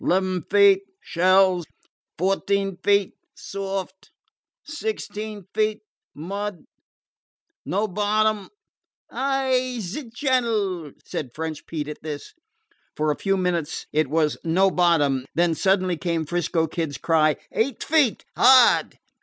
"'Leven feet shells. Fourteen feet soft. Sixteen feet mud. No bottom." "Ah, ze channel," said French Pete at this. For a few minutes it was "No bottom"; and then, suddenly, came 'Frisco Kid's cry: "Eight feet hard!"